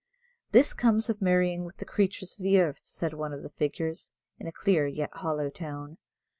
"This comes of marrying with the creatures of earth," said one of the figures, in a clear, yet hollow tone.